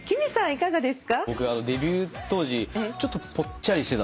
いかがですか？